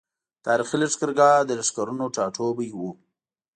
تاريخي لښکرګاه د لښکرونو ټاټوبی وو۔